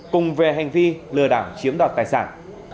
cùng về hành vi lừa đảo chiếm đoạt tài sản